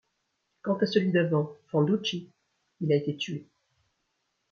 Quant à celui d'avant, Fanduchi, il a été tué.